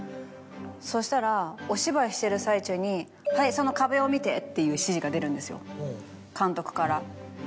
そしたらお芝居してる最中に。っていう指示が出るんですよ監督から。